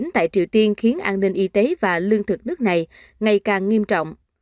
tại triều tiên khiến an ninh y tế và lương thực nước này ngày càng nghiêm trọng